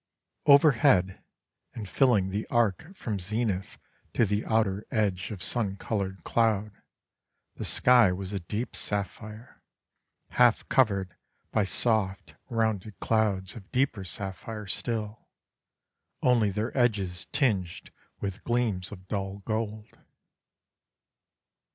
Overhead, and filling the arc from zenith to the outer edge of sun coloured cloud, the sky was a deep sapphire, half covered by soft, rounded clouds of deeper sapphire still, only their edges tinged with gleams of dull gold.